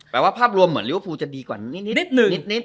แปลว่าภาพรวมเหมือนลิเวอร์ฟูจะดีกว่านิดนึง